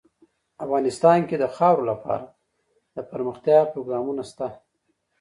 افغانستان کې د خاوره لپاره دپرمختیا پروګرامونه شته.